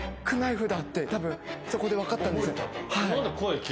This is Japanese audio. そこで分かったんです。